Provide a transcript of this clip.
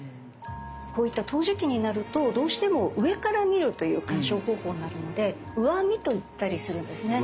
こういった陶磁器になるとどうしても上から見るという観賞方法になるので「上見」と言ったりするんですね。